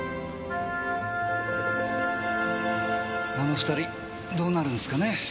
あの２人どうなるんすかね。